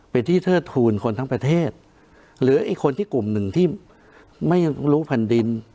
เป็นที่เทิดทูลคนทั้งประเทศเหลืออีกคนที่กลุ่มหนึ่งที่ไม่รู้แผ่นดิน